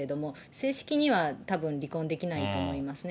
正式にはたぶん離婚できないと思いますね。